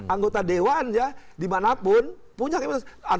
anggota dewan dimanapun punya imunitas